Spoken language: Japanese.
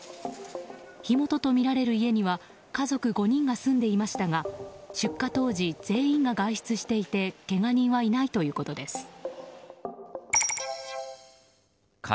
火元とみられる家には家族５人が住んでいましたが出火当時、全員が外出していてけが人はいないということです。